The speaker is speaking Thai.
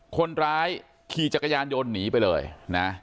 คนร้ายขี่จักรยานยนต์หนีไปเลยนะ